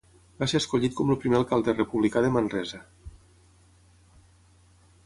Va ser escollit com el primer alcalde republicà de Manresa.